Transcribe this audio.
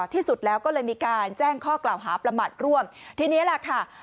ที่สุดแล้วก็เลยมีการแจ้งข้อกล่าวหาประมาทร่วมทีนี้แหละค่ะ